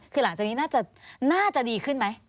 คือหลังจากนี้น่าจะดีขึ้นไหม